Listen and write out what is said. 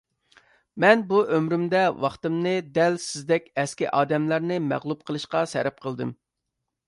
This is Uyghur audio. مەن بۇ ئۆمرۈمدە، ۋاقتىمنى دەل سىزدەك ئەسكى ئادەملەرنى مەغلۇپ قىلىشقا سەرپ قىلدىم.